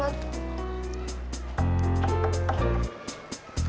sampai jumpa lagi